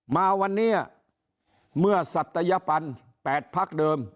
มาวันนี้เมื่อสัตยปัน๘พักเดิม